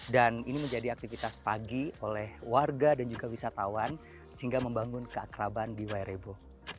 dan ini menjadi aktivitas pagi oleh warga dan juga wisatawan sehingga membangun keakraban di y rebo